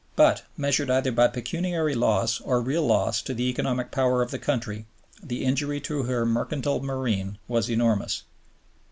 But, measured either by pecuniary loss or real loss to the economic power of the country, the injury to her mercantile marine was enormous.